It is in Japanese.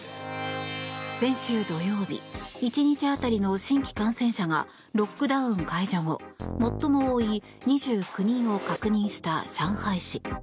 先週土曜日、１日当たりの新規感染者がロックダウン解除後最も多い２９人を確認した上海市。